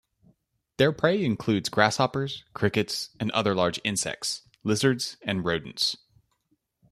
Their prey includes grasshoppers, crickets and other large insects, lizards and rodents.